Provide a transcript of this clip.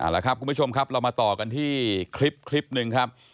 แล้วครับคุณผู้ชมครับเรามาต่อกันที่คลิปหนึ่งครับ